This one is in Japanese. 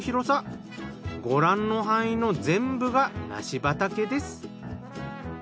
ご覧の範囲の全部が梨畑です。